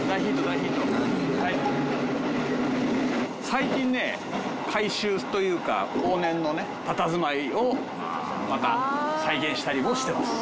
最近ね改修というか往年のたたずまいをまた再現したりもしてます。